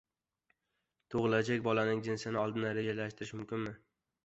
Tug‘ilajak bolaning jinsini oldindan rejalashtirish mumkinmi?